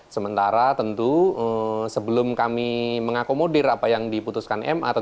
sementara tentu sebelum kami mengakomodir apa yang diputuskan ma